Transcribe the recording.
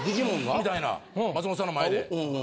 ぐみたいな松本さんの前で。